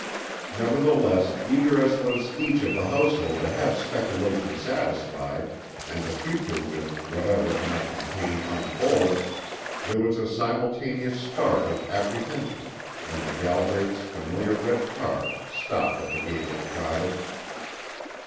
Nevertheless, eager as was each of the household to have speculation satisfied and the future with whatever it might contain unfold, there was a simultaneous start of apprehension when the Galbraiths' familiar red car stopped at the gate of the cottage.